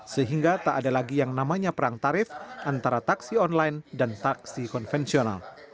sehingga tak ada lagi yang namanya perang tarif antara taksi online dan taksi konvensional